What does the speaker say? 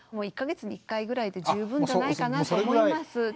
１か月に１回ぐらいで十分じゃないかなと思います。